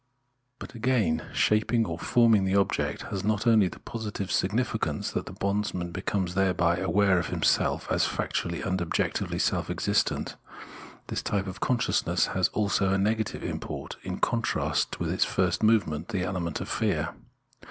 But again, shaping or forming the object has not only the positive significance that the bondsman becomes thereby aware of himself as factually and objectively self existent ; this type of consciousness has also a negative import, in contrast with its first moment, the element of fear.